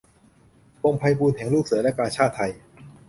วงไพบูลย์แห่งลูกเสือและกาชาดไทย